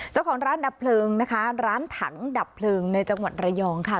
เจ้าของร้านดับเพลิงนะคะร้านถังดับเพลิงในจังหวัดระยองค่ะ